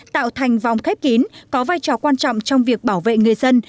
tạo thành vòng khép kín có vai trò quan trọng trong việc bảo vệ người dân